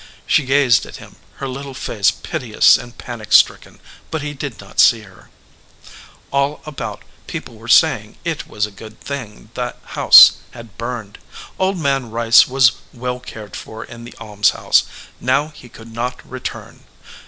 She gazed at him, her little face piteous and panic stricken, but he did not see her. All about people were saying that it was a good 42 THE OLD MAN OF THE FIELD thing the house had burned. Old Man Rice was well cared for in the almshouse. Now he could not return.